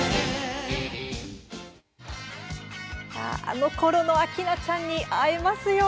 あのころの明菜ちゃんに会えますよ。